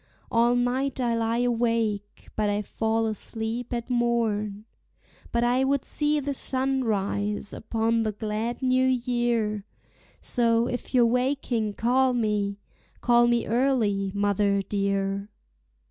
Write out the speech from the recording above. All night I lie awake, but I fall asleep at morn; But I would see the sun rise upon the glad new year, So, if you're waking, call me, call me early, mother dear.